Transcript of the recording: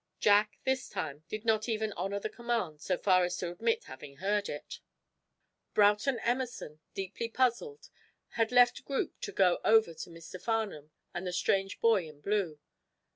Jack, this time, did not even honor the command so far as to admit having heard it. Broughton Emerson, deeply puzzled, had left group to go over to Mr. Farnum and the strange boy in blue.